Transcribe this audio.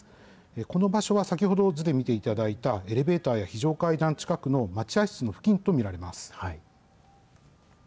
この場所は先ほどの図で見ていただいた、エレベーターや非常階段近くの待合室の付近と見られます。